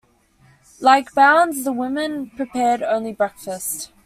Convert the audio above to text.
Like Bounds, the woman prepared only breakfast.